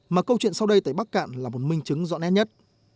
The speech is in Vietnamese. mà câu chuyện sau đây tại bắc cạn là một minh chứng rõ nét nhất